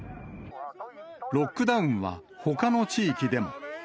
ロックダウンはほかの地域でも。